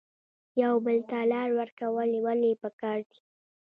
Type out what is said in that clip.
یو بل ته لار ورکول ولې پکار دي؟